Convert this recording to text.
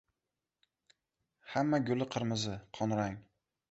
Hamma guli qirmizi, qonrang